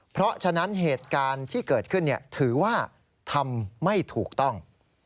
เพราะฉะนั้นเหตุการณ์ที่เกิดขึ้นถือว่าทำไม่ถูกต้อง